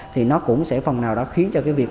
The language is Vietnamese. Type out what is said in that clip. thì nó cũng sẽ phần nào đó khiến cho cái việc